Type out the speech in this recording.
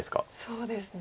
そうですね。